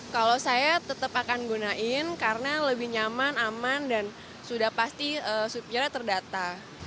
kalau saya tetap akan gunain karena lebih nyaman aman dan sudah pasti supirnya terdata